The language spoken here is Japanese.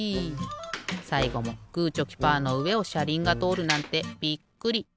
さいごもグーチョキパーのうえをしゃりんがとおるなんてびっくり。